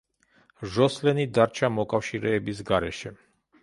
ჟოსლენი დარჩა მოკავშირეების გარეშე.